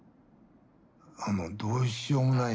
どうしようもない